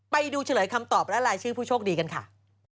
ไปดูเฉลยคำตอบและไลน์ชื่อผู้โชคดีกันค่ะ